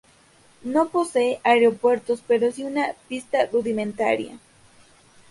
No posee aeropuertos pero sí una pista rudimentaria.